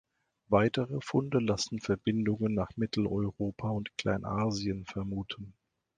Weitere Funde lassen Verbindungen nach Mitteleuropa und Kleinasien vermuten.